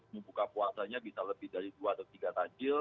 membuka puasanya bisa lebih dari dua atau tiga tajil